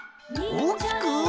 おおきく！